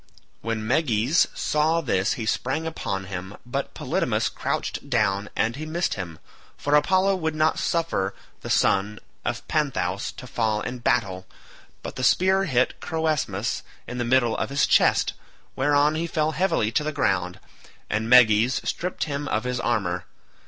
When Meges saw this he sprang upon him, but Polydamas crouched down, and he missed him, for Apollo would not suffer the son of Panthous to fall in battle; but the spear hit Croesmus in the middle of his chest, whereon he fell heavily to the ground, and Meges stripped him of his armour.